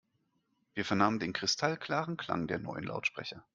Wir vernahmen den kristallklaren Klang der neuen Lautsprecher.